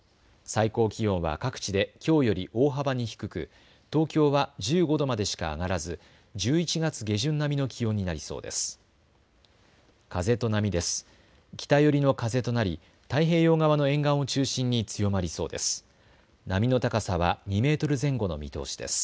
最高気温は各地できょうより大幅に低く東京は１５度までしか上がらず１１月下旬並みの気温になりそうです。